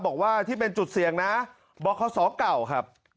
บอกว่าที่เป็นจุดเสี่ยงนะบคศเก่าครับ